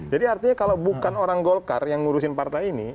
jadi artinya kalau bukan orang golkar yang ngurusin partai ini